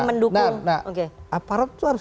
mendukung oke aparat itu harus